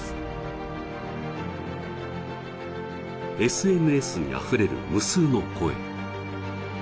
ＳＮＳにあふれる無数の声。